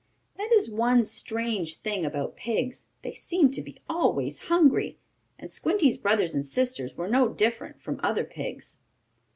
That is one strange thing about pigs. They seem to be always hungry. And Squinty's brothers and sisters were no different from other pigs.